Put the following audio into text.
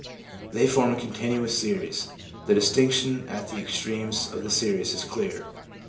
They form a continuous series. The distinction at the extremes of the series is clear.